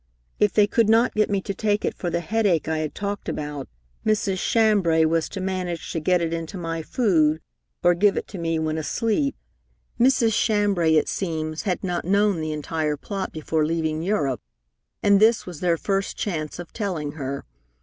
If they could not get me to take it for the headache I had talked about, Mrs. Chambray was to manage to get it into my food or give it to me when asleep. Mrs. Chambray, it seems, had not known the entire plot before leaving Europe, and this was their first chance of telling her.